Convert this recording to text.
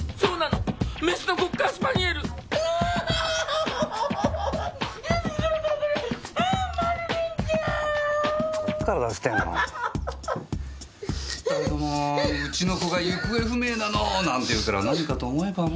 ったくもう「うちの子が行方不明なの！」なんて言うから何かと思えばもう。